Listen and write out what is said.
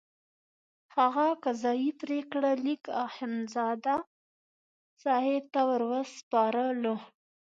هغه قضایي پرېکړه لیک اخندزاده صاحب ته وروسپارلو.